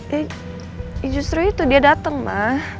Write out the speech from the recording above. ya justru itu dia dateng ma